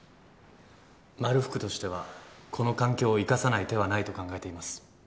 まるふくとしてはこの環境を生かさない手はないと考えています。